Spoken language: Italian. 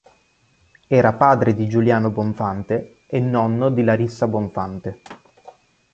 Era padre di Giuliano Bonfante e nonno di Larissa Bonfante.